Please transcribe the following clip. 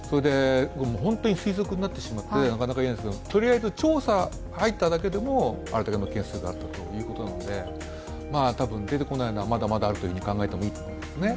本当に推測になってしまってなかなかいえないんですけどとりあえず調査に入っただけでもあれだけの件数になったということなので多分、出てこないのはまだまだあるというふうに考えてもいいと思いますね。